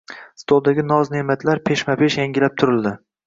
Stoldagi noz-neʼmatlar peshma-pesh yangilab turildi